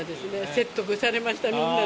説得されました、みんなに。